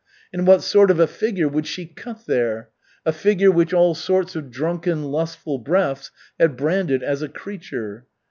And what sort of a figure would she cut there? A figure which all sorts of drunken, lustful breaths had branded as a "creature."